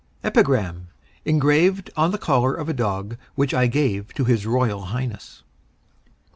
EPIGRAM, ENGRAVED ON THE COLLAR OF A DOG WHICH I GAVE TO HIS ROYAL HIGHNESS.